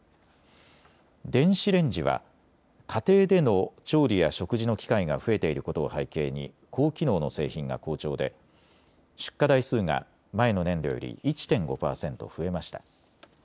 電子レンジは家庭での調理や食事の機会が増えていることを背景に高機能の製品が好調で出荷台数が前の年度より１．５％増えました。